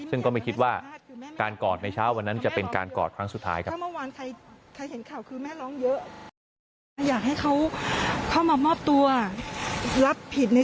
ซึ่งก็ไม่คิดว่าการกอดในเช้าวันนั้นจะเป็นการกอดครั้งสุดท้ายครับ